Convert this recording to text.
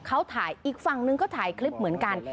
เขาถ่ายอีกฝั่งนึงก็ถ่ายคลิปเหมือนกัน